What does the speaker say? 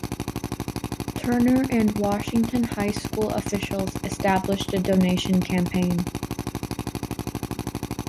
Turner and Washington High School officials established a donation campaign.